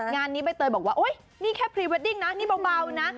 งานนี้ใบเตยบอกว่าโอ๊ยนี่แค่พรีเวดดิ้งนะนี่เบานะ